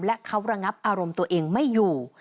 และเขาระงับอารมณ์ตัวเองไม่อยู่